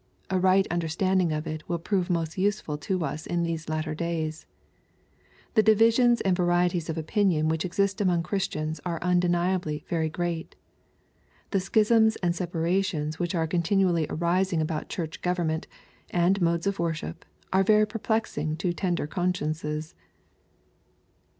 A right understanding of it will prove most usefal to us in these latter days. The divisions and varieties of opinion whch exist among Christians are undeniably very great. The schisms and separations which are continually arising about Church government, and modes of worship, are very perplexing to tender consciences.